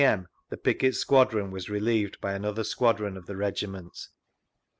m, the picket squadron was relieved by another squadron of the Regiment.